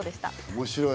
面白い！